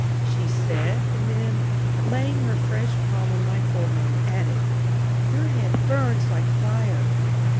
she said; and then, laying her fresh palm on my forehead, added: "Your head burns like fire."